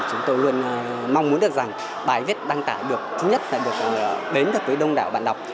chúng tôi luôn mong muốn được rằng bài viết đăng tải được thứ nhất là được đến được với đông đảo bạn đọc